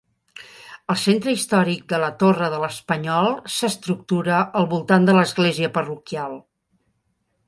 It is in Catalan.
El centre històric de la Torre de l'Espanyol s'estructura al voltant de l'església parroquial.